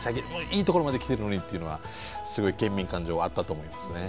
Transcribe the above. いいところまできてるのにっていうのはすごい県民感情はあったと思いますね。